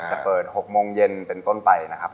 จะเปิด๖โมงเย็นเป็นต้นไปนะครับ